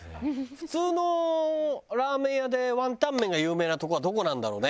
普通のラーメン屋でワンタン麺が有名なとこはどこなんだろうね？